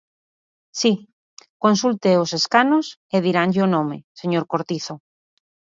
Si, consulte os escanos e diranlle o nome: señor Cortizo.